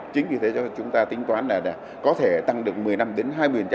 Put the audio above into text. chính vì thế chúng ta tính toán là có thể tăng được một mươi năm đến hai mươi